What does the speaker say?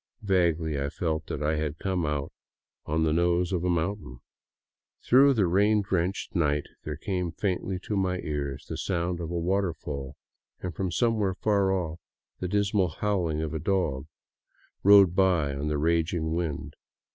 Vaguely I felt that I had come out on the nose of a mountain. Through the rain drenched night there came faintly to my ears the sound of a waterfall, and from somewhere far off the dismal howling of a dog rode by on the raging wind.